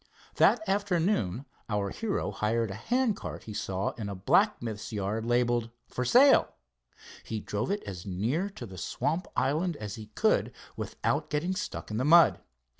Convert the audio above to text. That afternoon our hero hired a hand cart he saw in a blacksmith's yard labeled "For Sale." He drove it as near to the swamp island as he could, without getting stuck in the mud.